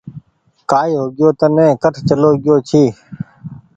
ڪآئي هوگئيو تني ڪٺ چلو گيو ڇي۔